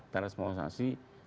dan responsasi informasi